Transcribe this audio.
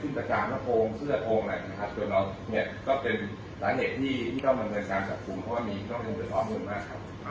แล้วก็จากการโดรสอบเพราะว่าเขาได้เงินจากการทำอย่างนี้ไปกับมวลหลายแสน